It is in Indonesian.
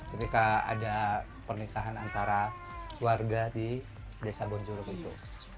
ketika ada pernikahan antara warga di desa bonjero gitu